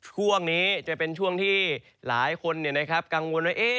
ช่วงนี้จะเป็นช่วงที่หลายคนกังวลว่า